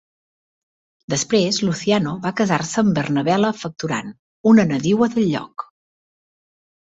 Després Luciano va casar-se amb Bernabela Facturan, una nadiua del lloc.